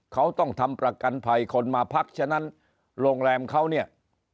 เขาต้องทำประกันภัยคนมาพักฉะนั้นโรงแรมเขาเนี่ย